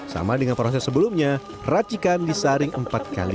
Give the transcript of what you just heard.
sama dengan proses sebelumnya racikan disaring empat kali